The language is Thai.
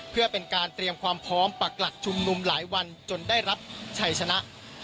เพื่อเป็นการเตรียมความพร้อมปักหลักชุมนุมหลายวันจนได้รับชัยชนะ